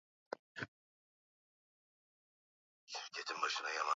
kurahisisha lugha hata kufanya makosa ya kisarufi kusudi wamuelewe